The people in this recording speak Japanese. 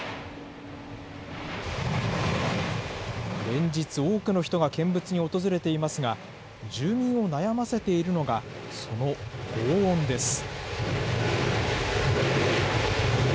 連日、多くの人が見物に訪れていますが、住民を悩ませているのが、そのごう音です。